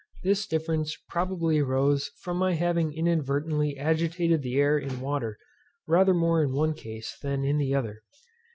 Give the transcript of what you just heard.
This difference probably arose from my having inadvertently agitated the air in water rather more in one case than in the other.